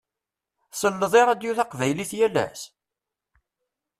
Tselleḍ i ṛṛadio taqbaylit yal ass?